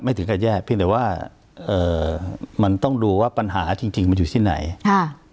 ถึงกับแยกเพียงแต่ว่าเอ่อมันต้องดูว่าปัญหาจริงจริงมันอยู่ที่ไหนค่ะ